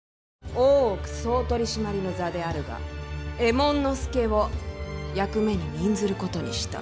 大奥総取締の座であるが右衛門佐を役目に任ずることにした。